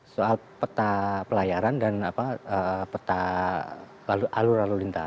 soal peta pelayaran dan peta lalu lintas